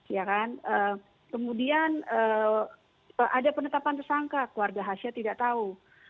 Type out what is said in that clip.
ya kan kemudian ada penetapan tersangka keluarga hasya tidak tahu